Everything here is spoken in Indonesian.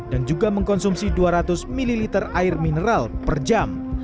dan juga mengkonsumsi dua ratus ml air mineral per jam